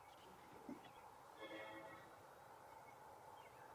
Podle pohoří je pojmenována hornatá oblast Montes Taurus na přivrácené straně Měsíce.